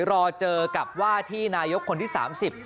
รอเจอกับว่าที่นายกคนที่สามสิบ